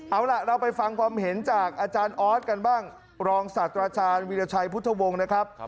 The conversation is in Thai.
เอาล่ะเราไปฟังความเห็นจากอาจารย์ออสกันบ้างรองศาสตราจารย์วิราชัยพุทธวงศ์นะครับ